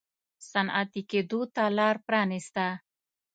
صنعتي کېدو ته لار پرانېسته.